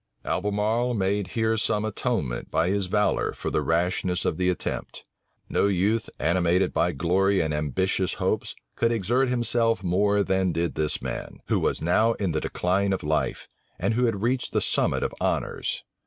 Albemarle made here some atonement by his valor for the rashness of the attempt. No youth, animated by glory and ambitious hopes, could exert himself more than did this man, who was now in the decline of life, and who had reached the summit of honors.